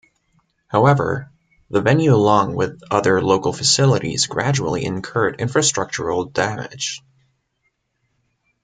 However, the venue along with other local facilities gradually incurred infrastructural damage.